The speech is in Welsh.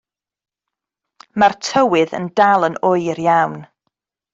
Mae'r tywydd yn dal yn oer iawn.